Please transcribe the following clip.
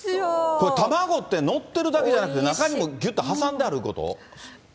これ、卵って載ってるだけじゃなくって、中にもぎゅって挟んであるってこと？